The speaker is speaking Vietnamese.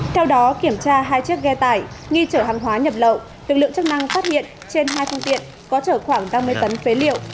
theo đó kiểm tra hai chiếc ghe tải nghi chở hàng hóa nhập lậu lực lượng chức năng phát hiện trên hai phương tiện có chở khoảng năm mươi tấn phế liệu